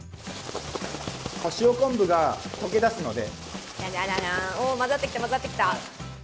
塩昆布が溶けだすので。